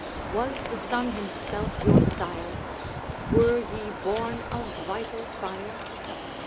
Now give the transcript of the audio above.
Was the sun himself your sire? Were ye born of vital fire?